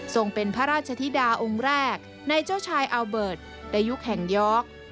เป็นพระราชธิดาองค์แรกในเจ้าชายอัลเบิร์ตในยุคแห่งยอร์ก